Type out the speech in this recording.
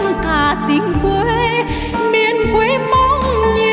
ngà tình quê miền quê mong nhớ